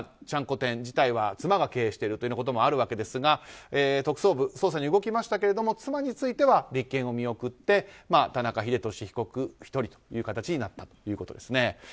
ちゃんこ店自体は妻が経営しているということもあるわけですが特捜部、捜査に動きましたけども妻については立件を見送って田中英寿被告１人という形になったということです。